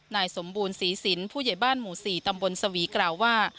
นายสมบูรณศรีสินผู้ใหญ่บ้านหมู่๔ตำบลสวีกล่าวว่า